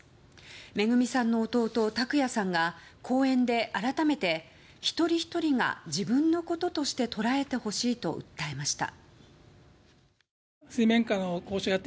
めぐみさんの弟・拓也さんが講演で、改めて一人ひとりが自分のこととして捉えてほしいと訴えました。